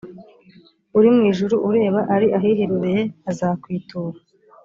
uri mu ijuru ureba ari ahiherereye azakwitura